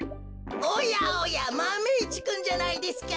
おやおやマメ１くんじゃないですか。